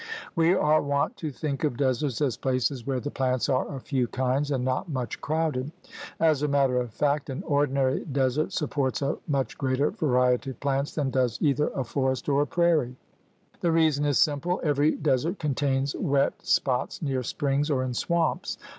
We are wont to think of deserts as places where the plants are of few kinds and not much crowded. As a matter of fact, an ordinary desert supports a much greater variety of plants than does either a forest or a prairie. The reason is simple. Every desert contains wet spots near springs or in swamps.